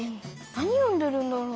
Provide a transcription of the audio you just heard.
何読んでるんだろう？